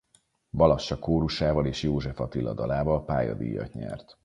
Balassa-kórusával és József Attila dalával pályadíjat nyert.